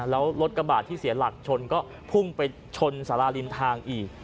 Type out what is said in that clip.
แล้วรถกระบาดที่เสียหลักชนก็พุ่งไปชนสาราริมทางอีก